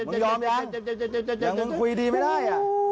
อย่างมึงคุยดีไม่ได้